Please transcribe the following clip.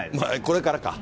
これからか。